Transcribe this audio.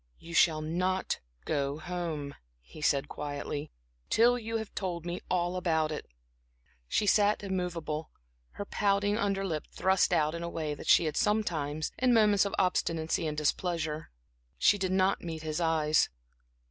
"You shall not go home," he said quietly, "till you have told me all about it." She sat immovable, her pouting under lip thrust out in a way that she had sometimes, in moments of obstinacy and displeasure. She did not meet his eyes.